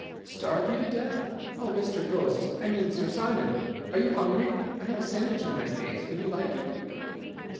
"Starve you to death? Oh, Mr. Ghost I mean Sir Simon, are you hungry? I have a sandwich in my case. Would you like it?"